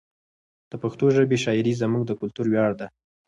د پښتو ژبې شاعري زموږ د کلتور ویاړ ده.